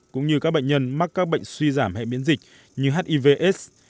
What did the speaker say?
cũng như các bệnh nhân mắc các bệnh suy giảm hệ biến dịch như hiv aids